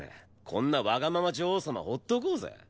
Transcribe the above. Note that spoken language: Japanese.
こんなわがまま女王様放っとこうぜ。